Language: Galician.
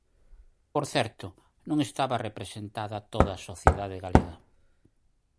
Por certo, non estaba representada toda a sociedade galega.